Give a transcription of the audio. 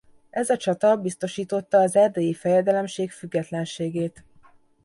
Ez a csata biztosította az Erdélyi Fejedelemség függetlenségét.